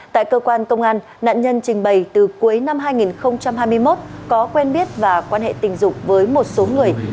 tại cơ quan công an nạn nhân trình bày từ cuối năm hai nghìn hai mươi một có quen biết và quan hệ tình dục với một số người